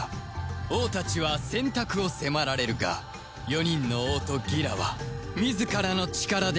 王たちは選択を迫られるが４人の王とギラは自らの力で奇跡を起こすことを選ぶ